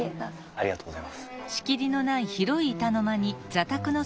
ありがとうございます。